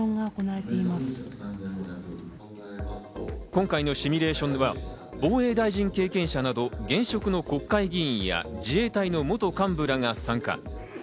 今回のシミュレーションは、防衛大臣経験者など現職の国会議員や自衛隊の元幹部らが参加。